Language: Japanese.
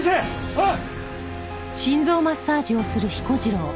おい！